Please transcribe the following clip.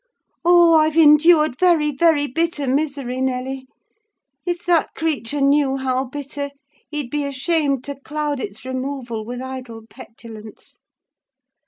Oh, I've endured very, very bitter misery, Nelly! If that creature knew how bitter, he'd be ashamed to cloud its removal with idle petulance.